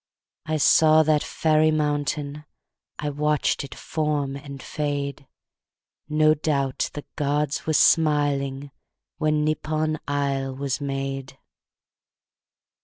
I saw that fairy mountain. ... I watched it form and fade. No doubt the gods were smiling, When Nippon isle was made.